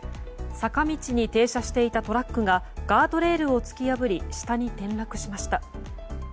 坂道に停車していたトラックがガードレールを突き破り下に転落しました。